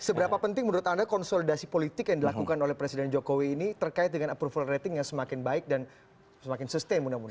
seberapa penting menurut anda konsolidasi politik yang dilakukan oleh presiden jokowi ini terkait dengan approval rating yang semakin baik dan semakin sustain mudah mudahan